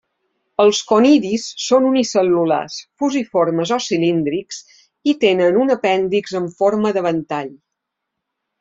Els conidis són unicel·lulars fusiformes o cilíndrics i tenen un apèndix amb forma de ventall.